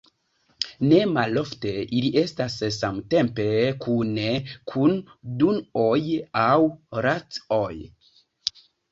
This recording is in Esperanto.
Ne malofte ili estas samtempe kune kun Dun-oj aŭ Rath-oj.